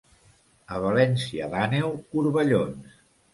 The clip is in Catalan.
A València d'Àneu, corbellons.